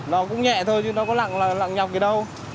nó cũng nhẹ thôi chứ nó có lặng nhọc gì đâu